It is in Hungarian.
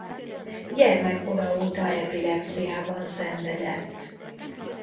Gyermekkora óta epilepsziában szenvedett.